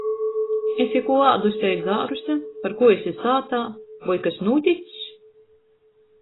Esi kū āduse i dzāruse? Parkū esi sātā? Voi kas nūtics?